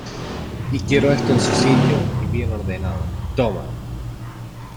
y quiero esto en su sitio y bien ordenado. ¡ toma!